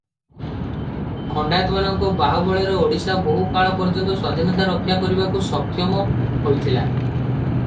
ଖଣ୍ତାଏତମାନଙ୍କ ବାହୁବଳରେ ଓଡ଼ିଶା ବହୁ କାଳପର୍ଯ୍ୟନ୍ତ ସ୍ୱାଧୀନତା ରକ୍ଷା କରିବାକୁ ସକ୍ଷମ ହୋଇଥିଲା ।